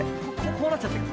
こうなっちゃってる。